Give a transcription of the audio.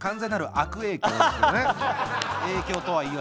影響とはいえ。